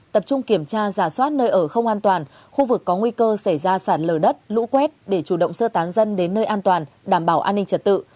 tập trung kiểm tra giả soát nơi ở không an toàn khu vực có nguy cơ xảy ra sạt lờ đất lũ quét để chủ động sơ tán dân đến nơi an toàn đảm bảo an ninh trật tự